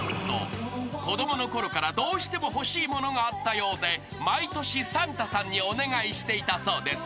子供のころからどうしても欲しいものがあったようで毎年サンタさんにお願いしていたそうです］